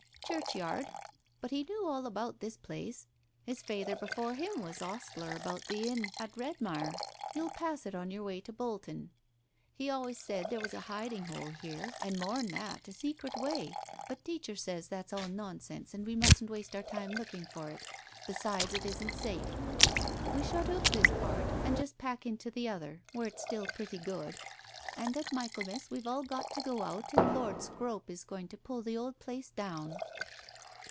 " Churchyard. But he knew all about this place. His feyther before him was ostler about the inn at Redmire Digitized by Google THE BLUE BONNET 161 — you'll pass it on your way to Bolton. He always said there was a hiding hole here, and mor'n that, a secret way, but teacher says that's all nonsense and we mustn't waste our time looking for it, besides it isn't safe. We shut oop this part, and just pack into the other, where it's still pretty good, and at Michaelmas we've all got to go out and Lord Scrope is going to pull the old place down."